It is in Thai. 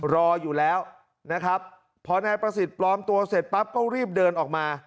รออยู่แล้วนะครับพอนายประสิทธิ์ปลอมตัวเสร็จปั๊บก็รีบเดินออกมา